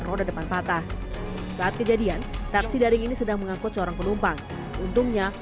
roda depan patah saat kejadian taksi daring ini sedang mengangkut seorang penumpang untungnya